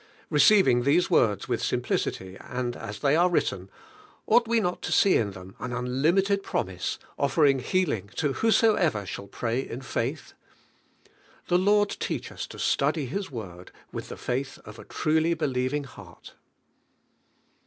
Beceiving these words with simplicity and as they are written, ought we not to see in them an unlimited promise, offering healing to whosoever shall pray in faith? The Lord teach us to study Ilis Word with the faith of a truly believing heart!